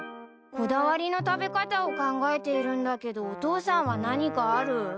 こだわりの食べ方を考えているんだけどお父さんは何かある？